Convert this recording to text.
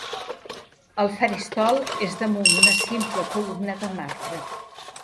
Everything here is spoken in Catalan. El faristol és damunt una simple columna de marbre.